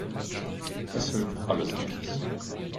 Es hilft alles nichts.